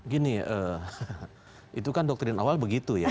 gini itu kan doktrin awal begitu ya